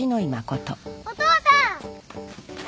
お父さん！